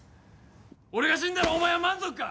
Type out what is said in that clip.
俺が死んだらお前は満足か？